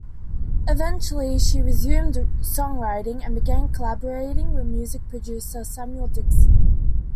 Eventually, she resumed songwriting and began collaborating with music producer Samuel Dixon.